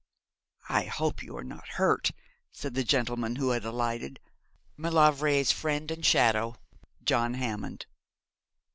'I hope you are not hurt,' said the gentleman who had alighted, Maulevrier's friend and shadow, John Hammond.